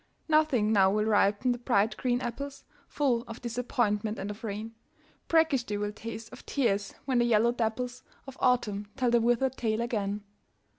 Nothing now will ripen the bright green apples, Full of disappointment and of rain, Brackish they will taste, of tears, when the yellow dapples Of Autumn tell the withered tale again.